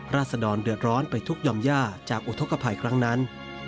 ศดรเดือดร้อนไปทุกยอมย่าจากอุทธกภัยครั้งนั้น